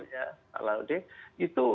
ya alaudek itu